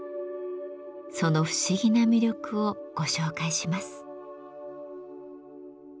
その不思議な魅力をご紹介します。